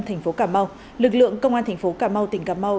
thành phố cà mau lực lượng công an thành phố cà mau tỉnh cà mau